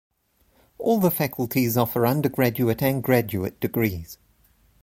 All the faculties offer undergraduate and graduate degrees.